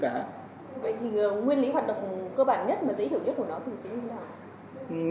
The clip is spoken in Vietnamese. vậy thì nguyên lý hoạt động cơ bản nhất và giấy hiệu nhất của nó thì sẽ như thế nào